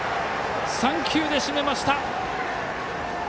３球で締めました！